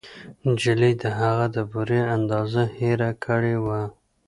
نجلۍ د هغه د بورې اندازه هېره کړې وه